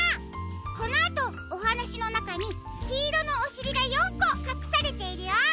このあとおはなしのなかにきいろのおしりが４こかくされているよ。